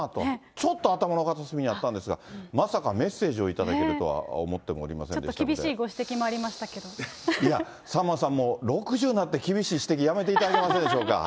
ちょっと頭の片隅にあったんですが、まさかメッセージを頂けるとちょっと厳しいご指摘もありいや、さんまさんも６０になって厳しい指摘、やめていただけませんでしょうか。